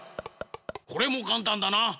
これもかんたんだな！